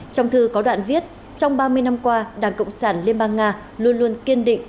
trong thư có đoạn viết trong ba mươi năm qua đảng cộng sản liên bang nga luôn luôn kiên định